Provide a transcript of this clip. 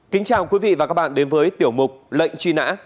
kính chào quý vị và các bạn đến với tiểu mục lệnh truy nã